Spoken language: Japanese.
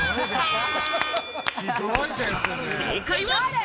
正解は。